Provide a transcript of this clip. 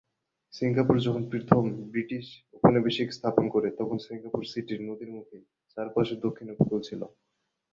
সিঙ্গাপুরে যখন প্রথম ব্রিটিশরা উপনিবেশ স্থাপন করে, তখন সিঙ্গাপুর সিটি সিঙ্গাপুর নদীর মুখের চারপাশে দক্ষিণ উপকূলে ছিল।